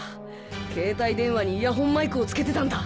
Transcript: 携帯電話にイヤホンマイクを付けてたんだ！